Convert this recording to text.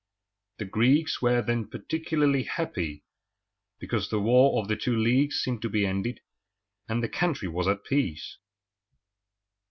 The Greeks were then particularly happy because the War of the Two Leagues seemed to be ended, and the country was at peace.